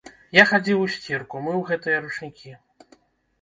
Я хадзіў у сцірку, мыў гэтыя ручнікі.